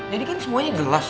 jadi kan semuanya jelas